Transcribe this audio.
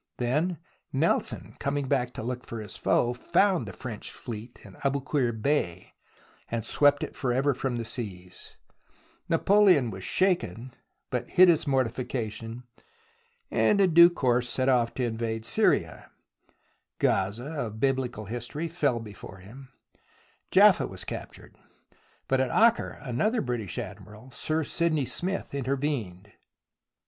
Then Nelson, coming back to look for his foe, found the French fleet in Aboukir Bay, and swept it for ever from the seas. Napoleon was shaken, THE ROMANCE OF EXCAVATION 3 but hid his mortification, and in due course set off to invade Syria. Gazah, of Biblical history, fell before him, Jaffa was captured, but at Acre another British Admiral, Sir Sydney Smith, intervened.